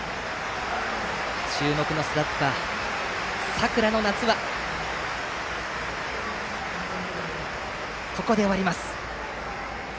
注目のスラッガー佐倉の夏はここで終わります。